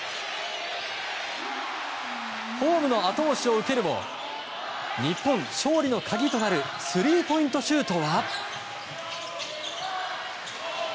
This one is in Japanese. ホームの後押しを受けるも日本勝利の鍵となるスリーポイントシュートは。